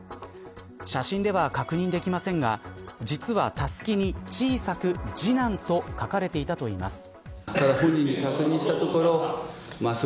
写真では確認できませんが実は、たすきに小さく次男と書かれていたといいます。